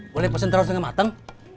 boleh pesen terus dengan mateng